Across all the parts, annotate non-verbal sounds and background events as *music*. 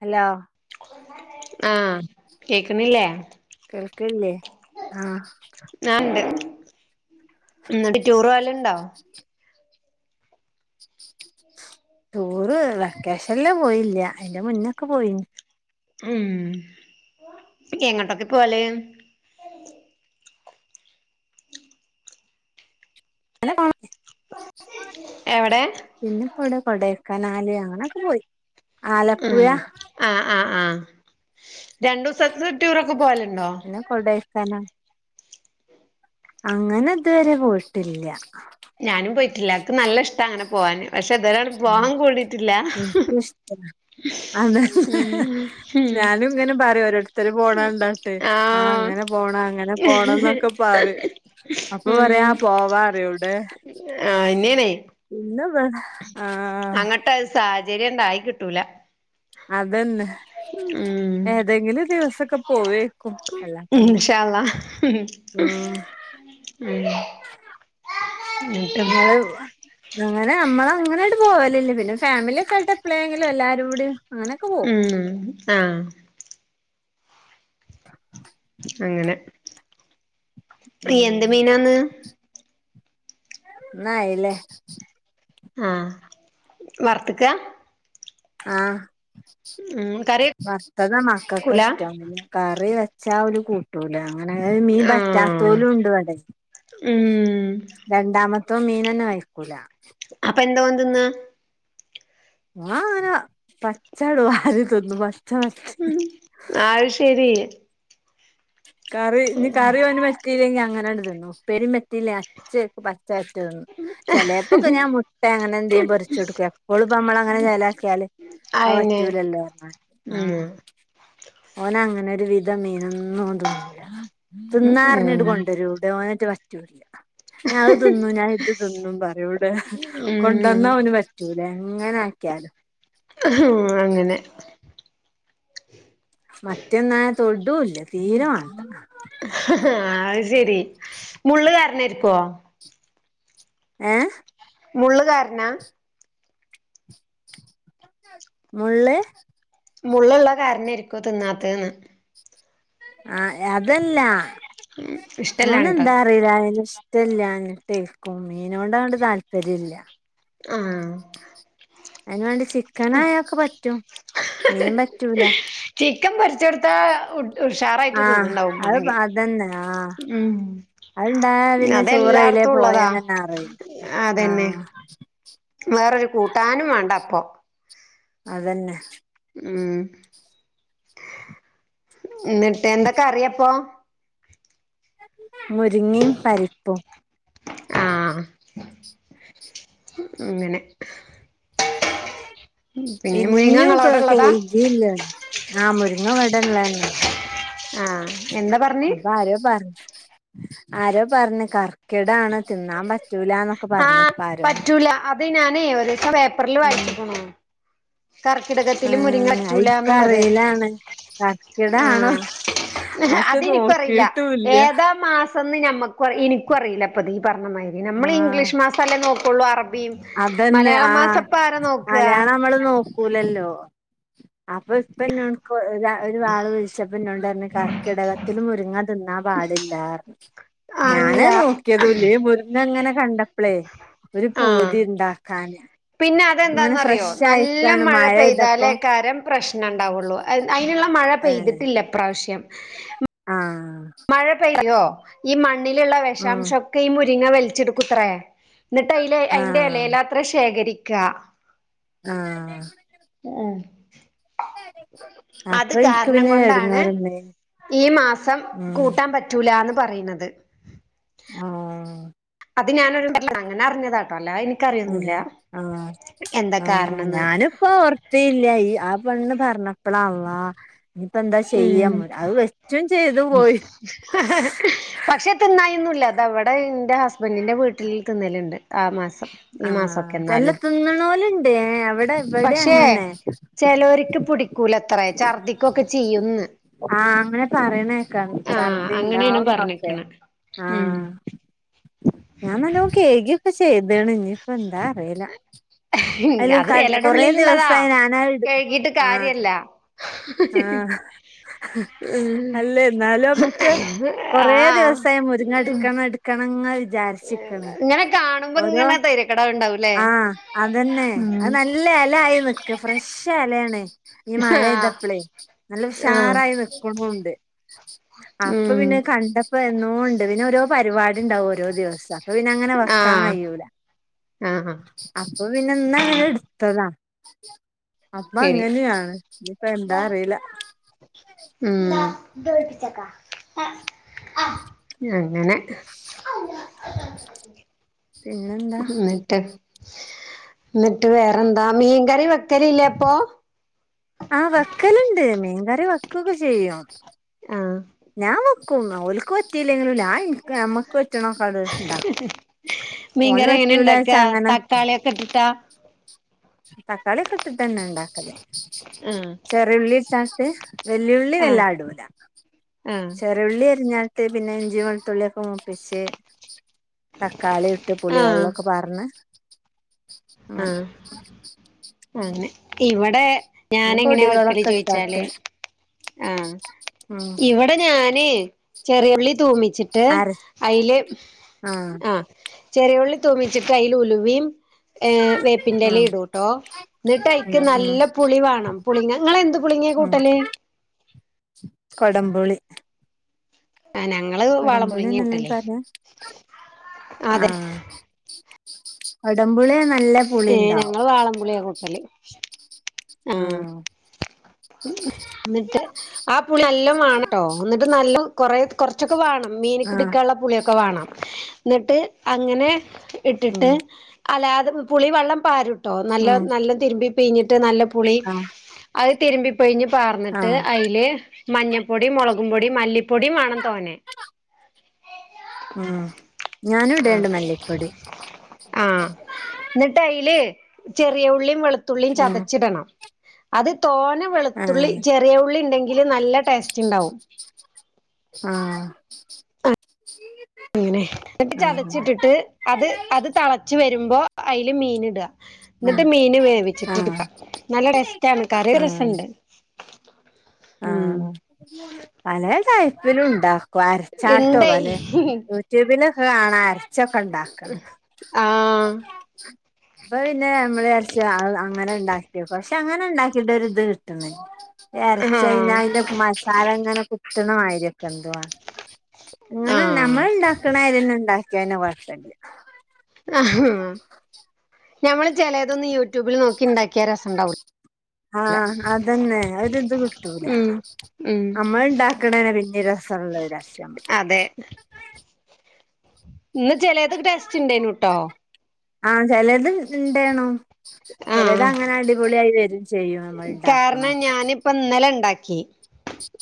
Hello ആഹ് കേക്കുന്നില്ലേ കേക്ക് ല്ലേ ആഹ് ഞാൻണ്ട് എന്നിട്ട് ടൂറ് പോവലുണ്ടോ ടൂറ് വെക്കേഷനില് പോയില്ല അതിന്റെ മുന്നൊക്കെ പോയിന് ഉം എങ്ങോട്ടൊക്കെ പോവല് അല്ല എവിടെ പിന്നെ പ്പവിടെ കൊടക്കനാല് അങ്ങനൊക്കെ പോയി ആലപ്പുഴ ഉം ആഹ് ആഹ് ആഹ് രണ്ടു ദിവസത്തെ ട്യൂറൊക്കെ പോവലുണ്ടോ കൊഡേക്കനാ അങ്ങനെ ഇതുവരെ പോയിട്ട്ല്ല ഞാനും പോയിട്ടില്ല എനിക്ക് നല്ല ഇഷ്ട അങ്ങനെ പോവാന് പക്ഷെ ഇതുവരെ ഉം പോവാൻ കൂടി എനിക്കും ഇഷ്ട അ ഉം ഉം ഞാനും ഇങ്ങനെ പറയും ഓരോട് ഒത്തിരി പോണ കണ്ടാട്ടെ ആ ആഹ് അങ്ങനെ പോണ അങ്ങനെ പോണംന്നൊക്കെ പറയും അപ്പൊ പറയാ ഉം പോവാ അറോവിടെ ആഹ് അതെന്നേണെ പിന്ന വേ അങ്ങട്ട് സാഹചര്യം ഉണ്ടായി കിട്ടൂല അതന്നെ ഉം ഏതെങ്കിലും ദിവസൊക്കെ പോവേക്കും അല്ലാപ്പന്താ ഇൻഷാ അള്ളാ ഉം എന്നിട്ട് നിങ്ങള് അങ്ങനെ നമ്മള് അങ്ങനാണ്ട് പോവലില്ല പിന്നെ ഫാമിലി ഒക്കെ ആയിട്ട് എപ്പഴെങ്കിലും എല്ലാരു ടി ഉം ആഹ് അങ്ങനെ എന്ത് ഉം മീനാന്ന് ന്ന് അയ്ലെ ആഹ് വർത്തക്ക ആഹ് ഉം കറി വർത്തത മക്കൾക്ക് വെക്കൂല ഇഷ്ടം കറി വെച്ചാ ഓല് കൂട്ടൂല അങ്ങനെ മീൻ ആഹ് പറ്റാത്തോലും ഉണ്ട് വടെ ഉം രണ്ടാമത്തോ മീൻ തന്നെ കഴിക്കൂല അപ്പൊ എന്താ ഓൻ തിന്നാ ഓൻ അങ്ങനെ പച്ച വാരി തിന്നും പച്ച വറ്റ് ഉം ആഹ് ശെരി കറി ഞ്ഞി കറി വ ത്തില്ലെങ്കി അങ്ങനെട് തിന്നും ഉപ്പേരും പറ്റില്ലെ അച്ചക്ക് പച്ചറ്റ് തിന്നും ചെലപ്പൊക്കെ ഞാൻ മുട്ട അങ്ങനെ എന്തേയും പൊരിച്ചു കൊടുക്കും എപ്പോളുംപ്പോ നമ്മള് അങ്ങനെ ചേലാക്കിയാല് അത് അയന്നെ പറ്റൂലല്ലേ ഉം ഓന് അങ്ങനെ ഒരു വിധം മീനൊന്നും ഓൻ തിന്നുല ഉം തിന്നാറിഞ്ഞിട്ട് ഉം കൊണ്ടുവരും എവിടെ ഓനെറ്റെ പറ്റൂല്ല ഞൻ അത് തിന്നും ഞാൻ ഇത് തിന്നും പറയും എവിടെ കൊണ്ടുവന്ന അവന് പറ്റൂലേ എങ്ങനെ ആക്കിയാലും എ ഹും അങ്ങനെ മറ്റെന്നാ തൊടുല്യ തീരമാണ്ട അഹ് ശെരി മുള്ള് കാര്ണായിര്ക്കോ ഏഹ് മുള്ള് കാരണാ മുള്ള് മുള്ള്ള്ള കാര്ണായര്ക്കും തിന്നാതെന്ന് ആഹ് അതല്ല ഉം ഇഷ്ട്ടലായിട്ട് വെല്ലാതെ ഇഷ്ട്ടാലാനിട്ടേക്കും മീനോട് അങ്ങട്ട് താല്പര്യം ഇല്ല ആം അയിന് വേണ്ടി ചിക്കനയാക്ക് പറ്റും മീമ്പറ്റൂല ചിക്കൻ പൊരിച്ചൊടുത്താ ഉ ഉഷാറായിട്ട് ആഹ് തിന്ന്ണ്ടാവും അത് മാണെങ്കിൽ അതന്നെ ആഹ് ഉം അത്ണ്ടായ പിന്നെ ചോറെയിലേ പോയന്ന്ന്നെ അറിയു അതന്നെ ആഹ് വേറൊരു കൂട്ടാനും വേണ്ട അപ്പൊ അതെന്നെ ഉം ന്നിട്ട് എന്തക്കെറിയപ്പൊ? മുരിങ്ങി പരിപ്പും ആഹ് ഇങ്ങനെ പിന്നെ മുരിങ്ങ ഇന്നും ഇങ്ങളോടെ ഉള്ളതാ *unintelligible* ആഹ് മുര്ങ്ങ വ്ടെ ഇള്ളെന്നെ ആഹ് എന്നാ പറ അപ്പൊ ആരോ പറഞ്ഞ ആരോ പറഞ്ഞു കർക്കിടാണ് തിന്നാൻ പറ്റ് ആ പറ്റൂല അത് ഞാൻ ഓരോസം പേപ്പർല് ആഹ് വായിച്ച്കുണു കർക്കിടകത്തില് ആഹ് അത് മുരിങ്ങറ്റൂലന്ന്ള്ളത് ഇൻക്കറീലാണ് കർക്കിടാണോ ആഹ് അത് അതെനിക്കും അറീല്ല നോക്കിട്ടുല്ല ഏതാ മാസം ഇതൊന്നും ഞമ്മക്കും ഇനിക്കു അറില്ലപ്പൊത് ഇപറിഞ്ഞ മാതിരി നമ്മള് ആഹ് ഇംഗ്ലീഷ് മാസല്ലേ നോക്കുള്ളൂ അറബിയും അതന്നെ മലയാളം ആഹ് മാസം ഇപ്പ ആരാ നോക്കുക മലയാള അമ്മള് നോക്കൂലല്ലോ അപ്പൊ ഇപ്പോ ന്റോട്ക്ക്‌ ഒരു ഒരാൾ വ്ൾച്ചപ്പോ ഇന്നോടർഞ് കർക്കിടകത്തില് മുരിങ്ങ തിന്നാൻ പാടില്ല അല്ല ഞാനത് നോക്യതുല്യ ഈ മു ന്നങ്ങനെ കണ്ടപ്പളേ ഒരു ആഹ് പൂതിണ്ടാക്കാന് പിന്നെ അതെന്താന്നറിയോ നല്ല മഴ മഴെയ്തപ്പം പെയ്താലേക്കാരം പ്രശ്നണ്ടാവുള്ളു അയ്ന്ള്ള മഴ ഏഹ് പെയ്തിട്ടില്ല ഇപ്രാവിശ്യം ആഹ് മഴ പെയ്യോ ഈ മണ്ണിലുള്ള വെ ഉം ഷാംശം ഒക്കെ ഈ മുരിങ്ങ വലിച്ചെടുക്കൂത്രേ ന്ന്ട്ട് അയിലെ അയിന്റെ ആഹ് എലേലത്രേ ശേഖരിക്ക ആഹ് ഏഹ് അത് അപ്പൊ ഇൻക്ക് കാർണം പിന്നെ കൊണ്ടാണ് എടങ്ങേറ്ണ്ടായിനി ഈ മാസം ഉം കൂട്ടാൻ പറ്റൂലാന്ന് പറയുന്നത് ആഹ് അത് ഞാനൊരു *unintelligible* അങ്ങനറിഞ്ഞതാട്ടോ അല്ലാ എനിക്കറിയൊന്നുല്ല അല്ലെ ആ എന്താ ആ കാരണംന്ന് ഞാനിപ്പോ ഓർ ത്ല്ല്യ ആ പെണ്ണ് പറഞ്ഞപ്പള്ളാല്ലാ ഞ്ഞ്പ്പന്താ ചെയ്യാ ഉം അമ്മൾ അത് വെച്ചും ചെയ്ത് പോയി പക്ഷെ തിന്നായോന്നില്ല തവ്ടെ എന്റെ ഹസ്ബൻഡിന്റെ വീട്ടില് തിന്നലുണ്ട് ആ മാസം ഈ മാസൊക്കെ ആഹ് അല്ല എന്നാലും തിന്ന്ണോലുണ്ട് ഏ അവിടെ ഇവിടെ പക്ഷേ അങ്ങനെ ചെലോര്ക്ക് പുടിക്കൂലത്രെ ഛർദ്ദിക്കൊക്കെ ചെയ്യുംന്ന് ആഹ് അങ്ങനെ പറീണേക്കാ ആഹ് ഛർദി അങ്ങനെയാണ് ണ്ടാവുന്നൊക്കെ പറഞ്ഞിക്കണ് ഉം ആഹ് ഞാൻ നല്ലം കേക്കൊക്കെ ചെയ്താണ് ഇനിപ്പ എന്താ അറിയില്ല അയ്ല് അത് എലടെ കൊറേ ഉള്ളിലുള്ളതാ ദിവസായി ഞാനാ ഇട് കഴുകിട്ട് ആഹ് കാര്യല്ല.. *inaudible* ഉം അല്ല എന്നാലും നമ്മുക്ക് കൊറേ ആഹ് ദിവസായ മുരിങ്ങ എടുക്കണം എടുക്ക ക്കണങ്ങനെ വിചാരിച്ചിക്കണ് ഇങ്ങനെ കാണുമ്പോ ഓരോ ഇങ്ങനെ തൈരക്കടവ് ഉണ്ടാവൂലേ ആ അതെന്നെ അത് നല്ല ഇല ആയി നിക്ക് ഫ്രഷ് ഇലയാണ് ഈ മഴ ആഹ് പെയ്തപ്പളേ നല്ല ഉഷാറായി നിക്കണുണ്ട്.. ആ *inaudible* അപ്പൊ പിന്നെ കണ്ടപ്പോ എന്നോ ഉണ്ട് പിന്നെ ഓരോ പരിപാടി ഉണ്ടാവും ഓരോ ദിവസം അപ്പൊ പിന്നെ അങ്ങനെ. ട്ക്ക കയ്യൂല ആ ആ അപ്പൊ പിന്നെന്നങ്ങനെ ഇട്ത്തതാ അപ്പൊ ശരി അങ്ങനെയാണ്.. ഞ്ഞ്പ്പ എന്താറീല്ല ഉം അങ്ങനെ *inaudible* പിന്നെ എന്നിട്ട് എന്നിട്ട് വേറെന്താ മീൻകറി വെക്കലല്ലേ അപ്പൊ ആഹ് വക്കല ഇണ്ട് മീൻകറി വക്കൊക്കെ ചെയ്യും. ആ ഞാൻ വെക്കും ഓൽക് പറ്റീയില്ലെങ്കിലും ഞാ ഞ ഇനിക്ക് നമ്മക്ക് പറ്റണൊക്കെണ്ട് ഉണ്ടാക്കും ഓന് പറ്റൂലച്ചാ അങ്ങനെ കട് *unintelligible* തക്കാളി ഒക്കെ ഇട്ടിട്ടന്നെ ഇണ്ടാക്കല് ആഹ് ചെറിയുള്ളിട്ടാണ്ട്. വെല്ലിയുള്ളി ആഹ് വെല്ലാ ഇടൂല ആഹ് ചെറുള്ളി എരിഞ്ഞാട്ട് പിന്നെ ഇഞ്ചി വെളുത്തുള്ളിയൊക്കെ മൂപ്പിച്ച് തക്കാളിയു ഇട്ട് പുളിവെ ആഹ് ള്ളൊക്കെ പാറ്ന്ന് അങ്ങനെ. അന്നെ ഇവിടെ പിന്നെ ഞാാനങ്ങനെ വെക്കല് പൊടികളൊക്കെ ചോയിച്ചാല് ഇട്ടാട്ട് ആ ഉം ഇവിടെ ഞാന്.. ചെറിയൊള്ളി തൂമിച്ചിട്ട് അര അതില് ആഹ് ആ.. ചെറിയള്ളി തൂമിച്ചിട്ട്യ്ൽ ഉലുവും ഏഹ് വേപ്പിന്റെല ഉം ഇടൂട്ടോ ന്നട്ട് അയിക്ക് ഉം ഉം നല്ല പുളി വാണം പുളിങ്ങ ഇങ്ങൾ എന്ത് പുളിങ്ങിയകൂട്ടല്. കൊടമ്പുളി ആ ഞങ്ങള് കൊടംപുളി വാളംപൊളിഞ്ഞ എന്നല്ലേ അയിന് കട്ടല്ലേ പറയാ അതെ ഉടുമ്പുളി നല്ല ഏഹ് പുളിണ്ടാവും ഞങ്ങള് വാളംപുളിയാ കൂട്ടല് ആ ഉംഎന്നിട്ട് ആ പുളി എല്ലാം വേണംട്ടോ എന്നിട്ട് നല്ല കൊറെ കൊറച്ചൊക്കെ വാണം മീന്ക്ക് ആഹ് പിടിക്കാനുള്ള പുളിയൊക്കെ വാണം എന്നിട്ട് അങ്ങനെ ഉം ഇട്ടിട്ട് അല്ലാതെ പുളി വെള്ളം പാരുട്ടോ നല്ല ഉം നല്ല തിരുമ്പി പിഴിഞ്ഞിട്ട് നല്ല പുളി ആഹ് അത് തിരുമ്പി പൊഴിഞ്ഞ് പാർന്നിട്ട് ആഹ് അയില് മഞ്ഞപ്പൊടി മുളകും പൊടി മല്ലിപ്പൊടി വേണം തോനെ ഉം ആഹ് ഞാനുംടേണ്ട് മല്ലിപ്പോടി ആഹ് എന്നിട്ട് അയില് ചെറിയ ഉള്ളിയും വെളുത്തുള്ളിയും ഉം ചതച്ചിടണം അത് തോനെ വെളുത്തുള്ളി ആഹ് ചെറിയ ഉള്ളിണ്ടെങ്കില് നല്ല ടേസ്റ്റ്ണ്ടാവും ആ അങ്ങനെ എന്നിട്ട് ചതച്ചിട്ടിട്ട് അത് അത് തളച്ച വരുമ്പോ അതില് മീൻ ഇട ആഹ് ന്നട്ട് മീൻ വേവിച്ചിട്ട് ഇട്ക്ക ആഹ് നല്ല ടസ്റ്റാണ് കറി രസണ്ട്. ആ പല ടൈയ്പ്പിലും ഉണ്ടാക്കും അരച്ചാട്ടോ ഇണ്ടേ പല.. ട്യൂബിലൊക്കെ കാണാ അരച്ചൊക്കെ ഉണ്ടാ ആ അപ്പൊ പിന്നെ നമ്മള് വിരരിച്ചു അങ്ങനെ ഉണ്ടാക്കിയ പ പ അങ്ങനെ ഉണ്ടാക്കിയിട്ട ഇത് കിട്ടുന്ന ആഹ് ഇറച്ചനാല് ന്റെ.. തല ഇങ്ങനെ കുത്തണമായിരിയൊക്കെന്തുവാണ് ഇങ്ങനെ ആഹ് നമ്മള് ണ്ടാക്കണാരിന്നെ ണ്ടാക്കിയന്നെ കൊഴപ്പില്ല ആഹ് ഞമ്മള് ചെലേതൊന്നും യൂ ആ അതന്നെ ആ ഒരിതു കിട്ടൂല ഉം ഉം അമ്മള് ണ്ടാക്കണേനെ പിന്നെ രസള്ളരു അതെ ഇന്ന് ചെലേത് ടേസ്റ്റ് ഉണ്ടേയിരുന്ട്ടോ ആ ചെലത്ണ്ടേന്നു ചെലത് ആഹ് അങ്ങനെ അടിപൊളിയായി വരും ചെയ്യും നമ്മൾ കാരണം ഉണ്ടാക്കണൊക്കെ ഞാനിപ്പ ഇന്നലെണ്ടാക്കി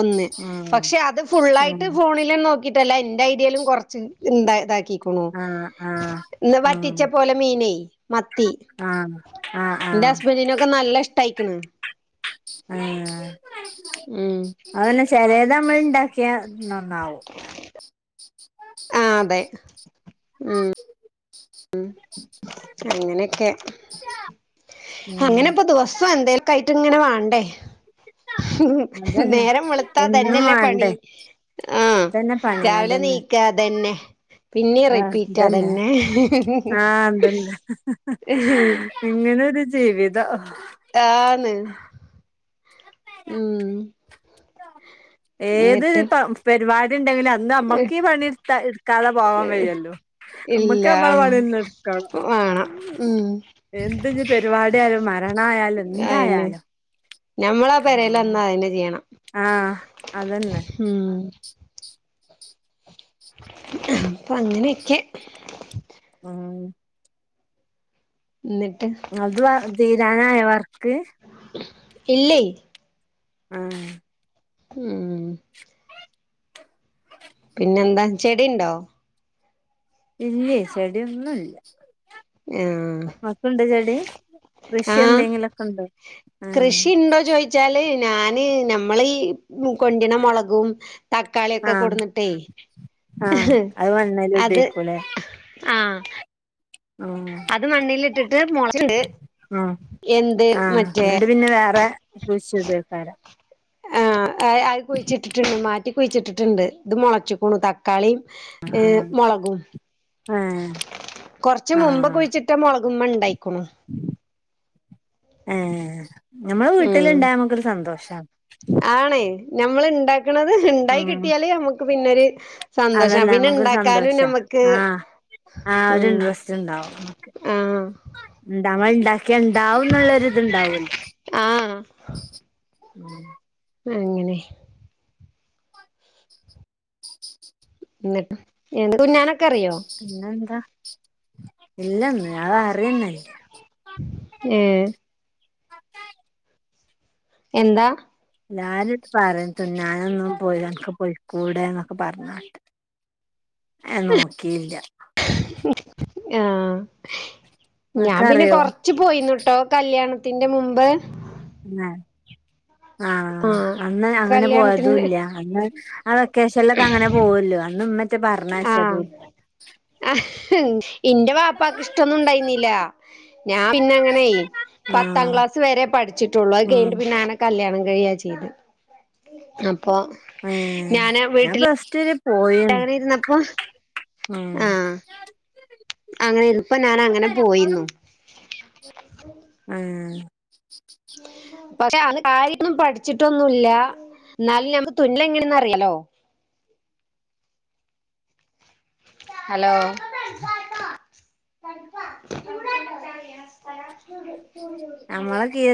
ഒന്ന് ഉം പക്ഷെ അത് ഫുള്ളായിട്ട് ആഹ് ഫോണില് നോ ക്കിട്ടല്ല എന്റെ ഐഡിയെലും കൊറച്ച് ണ്ട് ഇതാക്കി ക്കുണു ആഹ് ആഹ് ന്ന് ഉം വറ്റിച്ച പോലെ മീനേ മത്തി ആഹ് ആഹ് എന്റെ ആഹ് ഹസ്ബന്റിനൊക്കെ നല്ല ഇഷ്ടായിക്ണ് ആ ഉം അത് ന്നെ ചെലെത് നമ്മളിണ്ടാക്കിയ നന്നാവും ആ അതെ ഉം അങ്ങനെയൊക്കെ ഉം അങ്ങനെ ഇപ്പൊ ദുവസവേന്തേൽ കൈറ്റ് ഇങ്ങനെ വേണ്ടേ മ് അതന്നെ നേരം വെളുത്ത എന്നും ഇതന്നെല്ലേ പണി വാണ്ടേ ആ ഇതന്നെ പണി രാവിലെ ണീ അതന്നെ ക്കാതന്നെ പിന്നെ ആഹ് റിപ്പീറ്റാ ഇതന്നെ അതന്നെ ആഹ് ഇതന്നെ ഇങ്ങനൊരു ജീവിതം ആന്ന് ഉം ഏത് എന്നിട്ട് പ പരിപാടിണ്ടെങ്കിലു ന്നമ്മക്കീ പണിയെടുത്ത എടുക്കാതെ പോവാൻ വയ്യല്ലോ ഇല്ല മ്മക്ക് മ്മളെ പണിന്നെട് ക്കാം വേണം ഉം എന്ത്ന്ന് പരിപാടിയാലും മരണായാലും ന്തായാലും ഞമ്മളെ പേരേലന്നാ അത് ന്നെ ചെയ്യണം ആ അതന്നെ ഉം അപ്പൊ അങ്ങനെയൊക്കെ ആ ന്നിട്ട് അത് തീരാനായോവർക്ക് ഇല്ലേ ആ ഉം പിന്നെന്താ ചെടിയിണ്ടോ ഇല്ലേ ചെടിയൊന്നുല്ല ഏം അൻക്കുണ്ടോ ചെടി കൃഷി എന്തെങ്കിലൊക്കെണ്ടോ കൃഷിണ്ടോ ചോദിച്ചാല് ഞാന് നമ്മളീ ഈ മ് കൊണ്ടിണ മൊളകും തക്കാളിയൊക്കെ കൊടന്നിട്ടേ ആ അത് വെണ്ണേല് ഇടീരിക്കൂലെ ആ ആഹ് അത് മണ്ണിലിട്ടിട്ട് മൊളച്ച് ആ ആ എന്നിട്ട് പിന്നെ വേറെ *unintelligible* ആഹ് അയ് അയ് കുഴിച്ചിട്ടിട്ടുണ്ട് മാറ്റി കുഴിച്ചിട്ടിട്ടുണ്ട് ഇത് മുളച്ചിക്ക്ണു തക്കാ തക്കാളീം ഹെ ആഹ് മുളകും ഏഹ് കുറച്ച് മുമ്പ് കുഴിച്ചി ട്ടാ മുളകുമെൽ ഇണ്ടായ്ക്ക്ണു. ആഹ് നമ്മളെ ഉം വീട്ടിലുണ്ടായ നമ്മുക്കൊരു സന്തോഷ. ആണേ ഞമ്മൾ ഇണ്ടാക്ക്ണത് ഇണ്ടായി ഉം കിട്ടിയാല് നമുക്ക് പിന്നെരു. സന്തോഷ. അതന്നെ പിന്നെ നമുക്കൊരു ഇണ്ടാക്കാനും സന്തോഷാ നമ്മക്ക്. ആഹ് ആഹ് ഒരു ഉം ഇൻട്രസ്റ്റ് ഇണ്ടാവും നമ്മക്ക്. ആഹ് ഇണ്ടവാൻ ഇണ്ടാക്കിയ ഉണ്ടാവുംന്നുള്ളര് ഇത്ണ്ടാവല്ലോ? ആഹ് *unintelligible* അങ്ങനെ. ഇന്നിട്ട് തുഞ്ഞാനൊക്കെ അറിയോ? പിന്നെന്താ ഇല്ലന്ന് അത് അറിയന്നെല്ല. ഏഹ് എന്താ. ഞാൻ പറയ് തിന്നാനൊന്നും പോയില്ല അനക്ക് പോയി കൂടെന്നൊക്കെ പറഞ്ഞാട്ട് അയ് നോക്കിയില്ല. ഉം ആഹ് ഞാൻ പിന്നെ നിനക്കറിയോ കൊറ ച്ച് പോയിന്നുട്ടോ കല്ല്യാണത്തിന്റെ മുമ്പ്. ആഹ് ആഹ് അന്ന് അങ്ങനെ കല്യാണത്തിന്റെ പോയതുംല്ല അന്ന് ആഹ് വെക്കേഷല്ലൊക്കെ അങ്ങനെ പോവൂല്ലോ അന്ന് ഇമ്മറ്റേ പറഞ്ഞയ ച്ചതും ഇല്ല. ആഹ് ഇന്റെ വാപ്പക്ക് ഇഷ്ടൊന്നും ഉണ്ടായിന്നില്ല. ഞാൻ പിന്നെ അങ്ങനെയെ പത്താം ആഹ് ക്ലാസ് വരെ പഠിച്ചിട്ടുള്ളു അത് ഉം കഴിഞ്ഞ് പിന്നെ ആനെ കല്ല്യാണംകയെ ചെയ്ത് അപ്പോ ഞൻ ആ വീട്ടിൽ. പ്ലസ്റ്റു വരെ ങ്ങനനെയിരുന്നപ്പൊ ഉം ആഹ്. അങ്ങനെ ഇപ്പ ഞാൻ അങ്ങനെ പോയിരുന്നു. ആഹ്. പക്ഷെ അത് കാര്യൊന്നും പഠിച്ചിട്ടൊന്നുല്ല എന്നാലും ഞമ്മക്ക് തുന്നൽ എങ്ങനെയന്ന് അറിയാലോ ഹലോ. *inaudible* നമ്മളെ എ